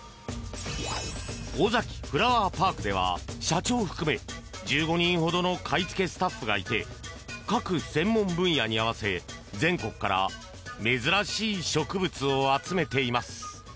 オザキフラワーパークでは社長を含め１５人ほどの買いつけスタッフがいて各専門分野に合わせ全国から珍しい植物を集めています。